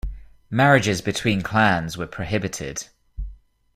Marriages between clans were prohibited.